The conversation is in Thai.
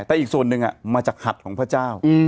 แต่อีกส่วนหนึ่งมาจากหัดของพระเจ้า